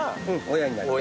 親になりますね。